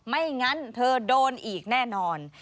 ไม่งั้นเธอโดนอีกแน่นอน